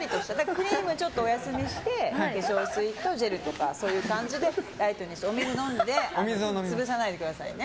クリームをちょっとお休みして化粧水とジェルとかそういう感じでライトにしてお水を飲んで潰さないでくださいね。